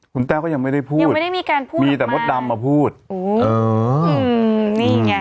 คุณแต้วก็ยังไม่ได้พูดมีแต่มดดำมาพูดอ๋อนี่ไง